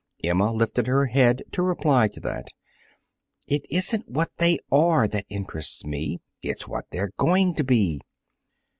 Emma lifted her head to reply to that. "It isn't what they are that interests me. It's what they're going to be."